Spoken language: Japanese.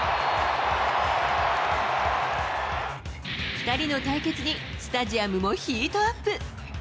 ２人の対決に、スタジアムもヒートアップ。